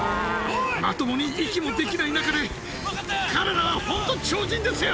まともに息もできない中で、彼らは本当、超人ですよ。